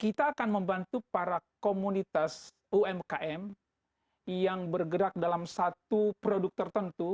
kita akan membantu para komunitas umkm yang bergerak dalam satu produk tertentu